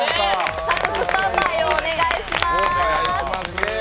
早速スタンバイをお願いします。